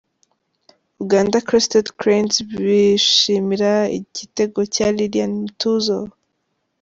Uganda Crested Cranes bishimira igitego cya Lilian Mtuuzo